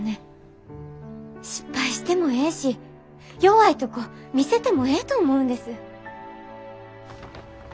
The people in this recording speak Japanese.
失敗してもええし弱いとこ見せてもええと思うんです。